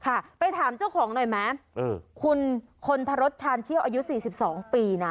ค่ะไปถามเจ้าของหน่อยไหมเออคุณคนทรสชาญเชี่ยวอายุสี่สิบสองปีนะ